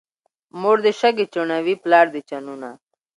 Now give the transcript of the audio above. مور دې شګې چڼوي، پلار دې چنونه.